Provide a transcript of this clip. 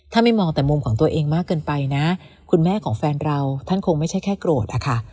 ถ้าไม่มองแต่มุมของตัวเองมากเกินไปนะคุณแม่ของแฟนเราท่านคงไม่ใช่แค่โกรธอะค่ะ